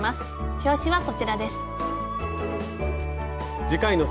表紙はこちらです。